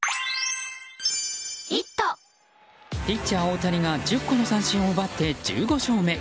ピッチャー大谷が１０個の三振を奪って１５勝目。